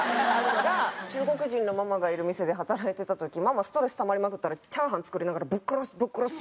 中国人のママがいる店で働いてた時ママストレスたまりまくったらチャーハン作りながら「ぶっ殺すぶっ殺す。